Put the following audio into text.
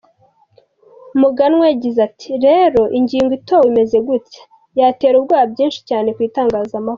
Muganwa yagize ati “Rero ingingo itowe imeze gutya yatera ubwoba bwinshi cyane ku itangazamakuru.